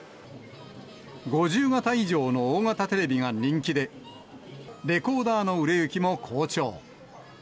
５０型以上の大型テレビが人気で、レコーダーの売れ行きも好調。